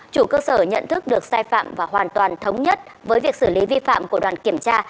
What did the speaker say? chủ cơ sở nhận thức được sai phạm và hoàn toàn thống nhất với việc xử lý vi phạm của đoàn kiểm tra